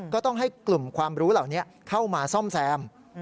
ก็ต้องให้กลุ่มความรู้เหล่านี้เข้ามาซ่อมแซม